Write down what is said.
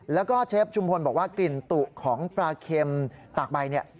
แล้วก็เชฟชุมพลบอกว่ากลิ่นตุของปลาเค็มตากใบเนี่ย